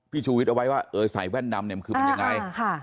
พี่ชุวิตเอาไว้ว่าใส่แว่นดำคือมันยังไง